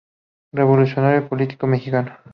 Revolucionario y político mexicano.